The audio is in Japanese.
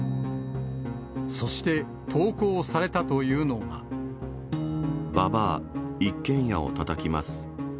そして、投稿されたというのババア、一軒家をたたきます。